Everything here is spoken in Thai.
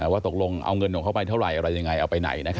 ว่าตกลงเอาเงินของเขาไปเท่าไหร่อะไรยังไงเอาไปไหน